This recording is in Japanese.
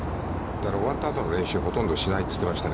終わったあとの練習はほとんどしないと言ってましたね。